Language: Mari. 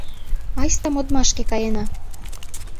Айста модмашке каена.